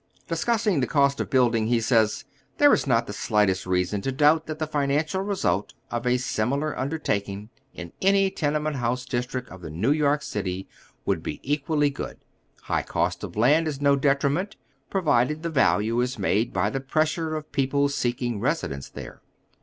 Discussing the cost of bnilding, he says :" There is not the slightest reason to doubt that the finan cial result of a similar undertaking in any tenement house district of New Tork City would be equally good. ... High cost of land is no detriment, provided the value is made by the pressure of people seeking residence there.